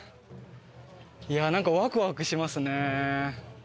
いやなんかワクワクしますね。